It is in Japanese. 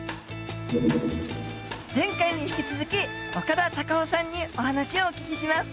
前回に引き続き岡田隆夫さんにお話をお聞きします。